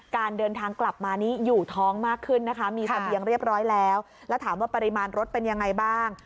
การเดินทางกลับมานี้อยู่ท้องมากขึ้นนะคะมีเสบียงเรียบร้อยแล้วแล้วถามว่าปริมาณรถเป็นยังไงบ้าง